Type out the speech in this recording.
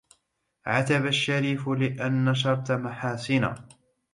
عتب الشريف لأن نشرت محاسنا